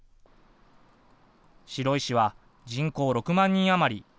白井市は人口６万人余り。